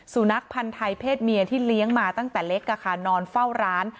สุนัขพันธ์ไทยเพศเมียที่เลี้ยงมาตั้งแต่เล็กนอนเฝ้าร้าน